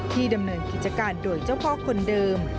ดำเนินกิจการโดยเจ้าพ่อคนเดิม